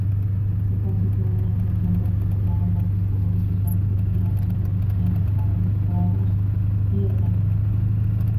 Se concedió una atención particular a la disponibilidad cotidiana de los encofrados y herramientas.